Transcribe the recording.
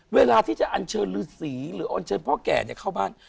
เวลาที่จะอัญเชิญฤทธิ์ศรีหรืออัญเชิญพ่อแก่เนี่ยเข้าบ้าน